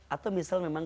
atau misalnya memang